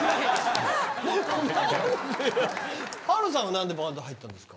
春さんは何でバンド入ったんですか？